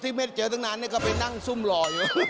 อ๋อติดไม่เจอตั้งนานต้องไปซุ่มหน่อย